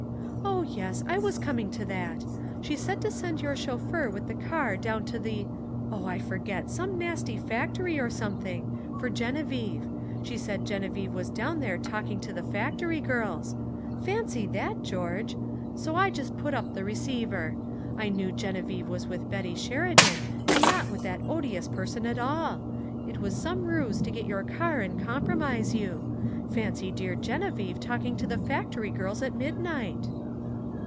"Oh, yes, I was coming to that. She said to send your chauffeur with the car down to the oh, I forget, some nasty factory or something, for Genevieve. She said Genevieve was down there talking to the factory girls. Fancy that, George! So I just put up the receiver. I knew Genevieve was with Betty Sheridan and not with that odious person at all it was some ruse to get your car and compromise you. Fancy dear Genevieve talking to the factory girls at midnight!"